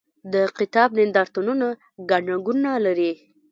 د کتاب نندارتونونه ګڼه ګوڼه لري.